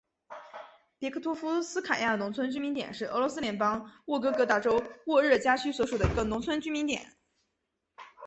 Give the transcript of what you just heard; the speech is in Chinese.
别克托夫斯卡亚农村居民点是俄罗斯联邦沃洛格达州沃热加区所属的一个农村居民点。